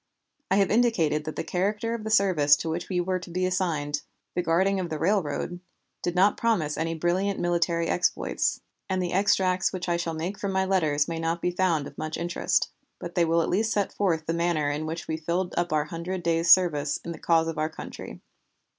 I have indicated that the character of the service to which we were to be assigned, the guarding of the railroad, did not promise any brilliant military exploits, and the extracts which I shall make from my letters may not be found of much interest, but they will at least set forth the manner in which we filled up our Hundred Days' service in the cause of our country.